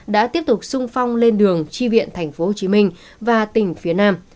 đã tiếp tục sung phong lên đường chi viện tp hcm và tỉnh phía nam